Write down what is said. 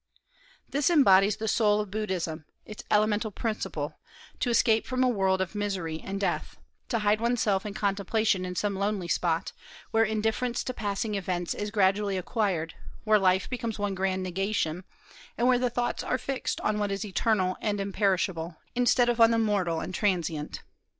This embodies the soul of Buddhism, its elemental principle, to escape from a world of misery and death; to hide oneself in contemplation in some lonely spot, where indifference to passing events is gradually acquired, where life becomes one grand negation, and where the thoughts are fixed on what is eternal and imperishable, instead of on the mortal and transient.